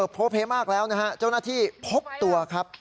โพเพมากแล้วนะฮะเจ้าหน้าที่พบตัวครับ